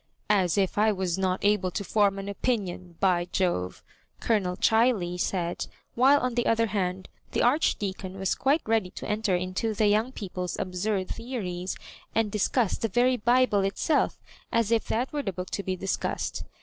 " As if I was cot able to form an opinion, by Jove !" Colonel Chiley said ; while, on the other hand, the Archdeacon was quite ready to enter into the young people s absunl theories, and discuss the very Bible itself, as if that were a book to be discussed.